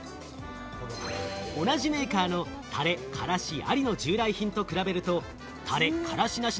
同じメーカーの「タレ・カラシあり」の従来品と比べると「タレ・カラシなし」